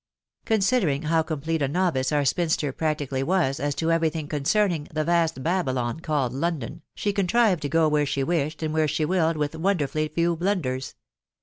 »»»* Considering how complete a novice our spinster practically was as to every thing concerning the vast Babylon called Loo don, she contrived to go where she wished and where she willed with wonderfully few blunders.